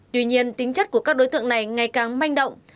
tuy nhiên tính chất của các đối tượng này ngày càng manh động